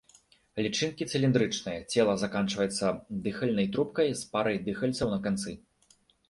Лічынкі цыліндрычныя, цела заканчваецца дыхальнай трубкай з парай дыхальцаў на канцы.